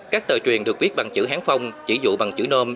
các tờ truyền được viết bằng chữ hán phong chỉ dụ bằng chữ nôm